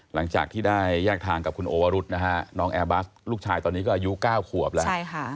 หลังจากที่ได้แยกทางกับคุณโอวรุธนะฮะน้องแอร์บัสลูกชายตอนนี้ก็อายุ๙ขวบแล้ว